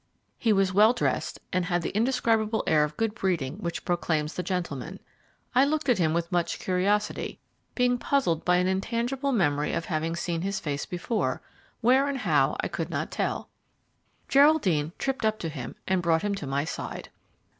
He was well dressed, and had the indescribable air of good breeding which proclaims the gentleman. I looked at him with much curiosity, being puzzled by an intangible memory of having seen his face before where and how I could not tell. Geraldine tripped up to him and brought him to my side.